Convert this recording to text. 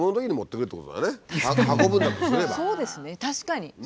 確かに。